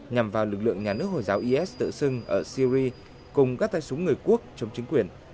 nhằm vào lực lượng nhà nước hồi giáo is tựa sưng ở syria cùng các tay súng người quốc chống chính quyền